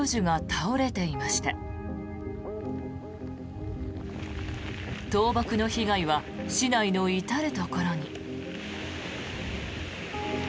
倒木の被害は市内の至るところに。